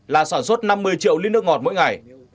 là sản xuất năm mươi triệu lít nước ngọt mỗi ngày